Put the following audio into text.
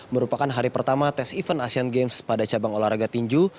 merupakan hari pertama tes event asian games pada cabang olahraga tinju